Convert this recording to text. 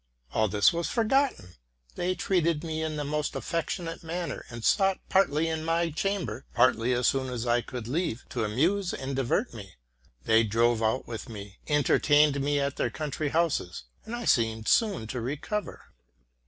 All this was forgotten: they treated me in the most affectionate manner, and sought, partly in my chamber, partly as soon as I could leave it, to amuse and divert me. They drove out with me, entertained me at their country houses, and I seemed soon to recover.